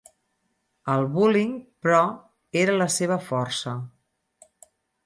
El bowling, però, era la seva força.